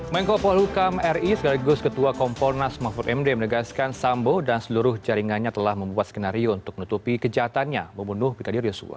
menko polhukam ri sekaligus ketua kompolnas mahfud md menegaskan sambo dan seluruh jaringannya telah membuat skenario untuk menutupi kejahatannya membunuh brigadir yosua